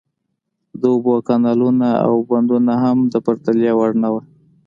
د اوبو کانالونه او بندونه هم د پرتلې وړ نه وو.